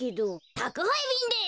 たくはいびんです。